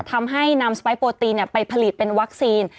ทำให้นำสไปร์โปรตีนไปผลิตเป็นวัคซีน